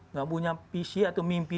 nggak punya visi atau mimpi